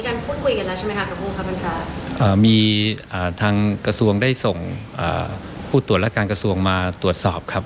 พูดคุยกันแล้วใช่ไหมคะกับผู้คับบัญชามีอ่าทางกระทรวงได้ส่งอ่าผู้ตรวจและการกระทรวงมาตรวจสอบครับ